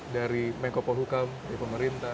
dari menko polhukam dari pemerintah